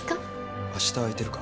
明日空いてるか？